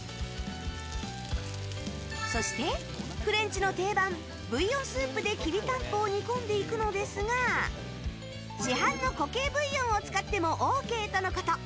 そして、フレンチの定番ブイヨンスープできりたんぽを煮込んでいくのですが市販の固形ブイヨンを使ってもＯＫとのこと。